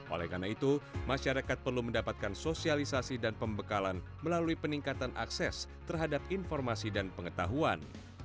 oleh karena itu masyarakat perlu mendapatkan sosialisasi dan pembekalan melalui peningkatan akses terhadap informasi dan pengetahuan